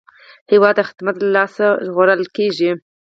هېواد د خدمت له لاسه ژغورل کېږي.